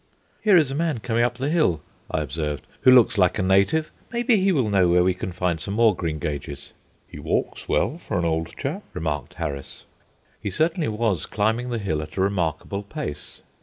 "Here is a man coming up the hill," I observed, "who looks like a native. Maybe, he will know where we can find some more greengages." "He walks well for an old chap," remarked Harris. He certainly was climbing the hill at a remarkable pace.